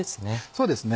そうですね